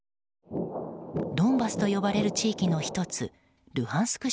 ドンバスと呼ばれる地域の１つルハンスク